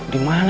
dia bastard ya